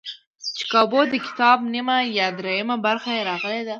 چې کابو دکتاب نیمه یا درېیمه برخه یې راغلي دي.